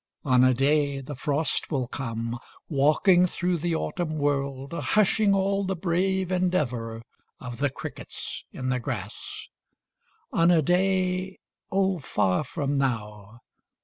On a day the frost will come, 5 Walking through the autumn world, Hushing all the brave endeavour Of the crickets in the grass. On a day (Oh, far from now!)